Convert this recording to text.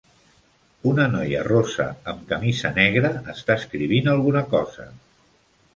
Una noia rossa amb camisa negra està escrivint alguna cosa